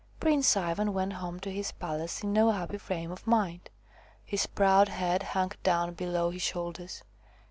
Prince Ivan went home to his palace in no happy frame of mind ; his proud head hung down below his shoulders.